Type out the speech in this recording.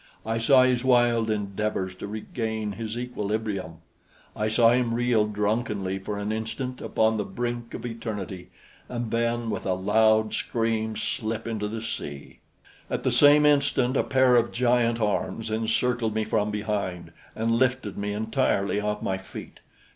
I saw his wild endeavors to regain his equilibrium; I saw him reel drunkenly for an instant upon the brink of eternity and then, with a loud scream, slip into the sea. At the same instant a pair of giant arms encircled me from behind and lifted me entirely off my feet.